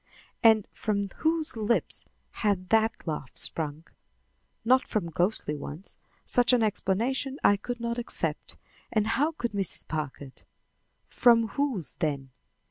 And from whose lips had that laugh sprung? Not from ghostly ones. Such an explanation I could not accept, and how could Mrs. Packard? From whose, then?